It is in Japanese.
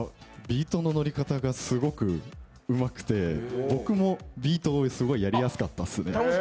ビートの乗り方がすごくうまくて僕もビート、すごいやりやすかったです。